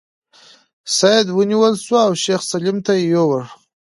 سید ونیول شو او شیخ سلیم ته یې یووړ.